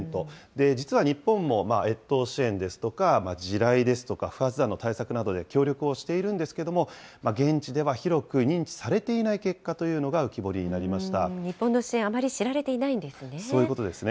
実は日本も越冬支援ですとか地雷ですとか、不発弾の対策などで協力をしているんですけれども、現地では広く認知されていない結果というのが浮き彫りになりまし日本の支援、あまり知られてそういうことですね。